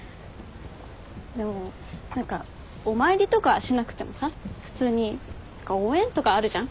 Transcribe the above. でも何かお参りとかしなくてもさ普通に応援とかあるじゃん。